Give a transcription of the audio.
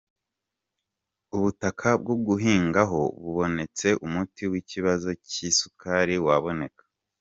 Ubutaka bwo guhingaho bubonetse, umuti w’ikibazo cy’isukari waboneka”.